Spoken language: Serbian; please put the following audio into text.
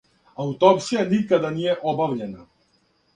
Аутопсија никада није обављена.